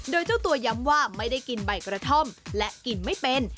โดยเจ้าตัวย้ำว่าไม่ได้กินใบกระท่อมและกินไม่เป็น